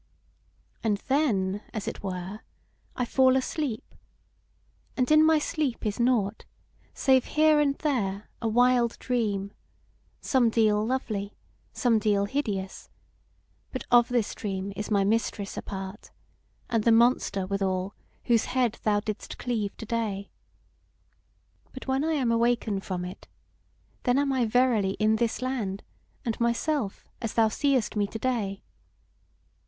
"And then, as it were, I fall asleep; and in my sleep is nought, save here and there a wild dream, somedeal lovely, somedeal hideous: but of this dream is my Mistress a part, and the monster, withal, whose head thou didst cleave to day. But when I am awaken from it, then am I verily in this land, and myself, as thou seest me to day.